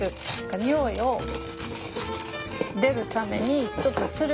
匂いを出るためにちょっと擂る。